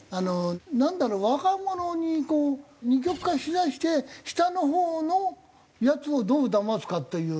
なんだろう若者にこう二極化しだして下のほうのヤツをどうだますかっていう。